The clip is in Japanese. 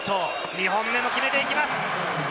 ２本目も決めていきます。